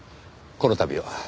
この度は。